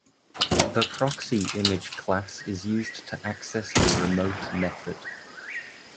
The ProxyImage class is used to access a remote method.